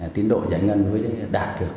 tiến độ giải ngân đạt được